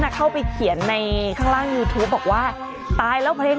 ในไฮไฟส์ตั้งแต่สมัยไฮไฟส์